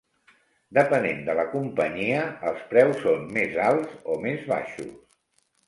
Depenent de la companyia els preus són més alts o més baixos.